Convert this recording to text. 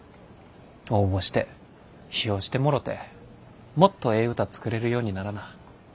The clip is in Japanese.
応募して批評してもろてもっとええ歌作れるようにならな。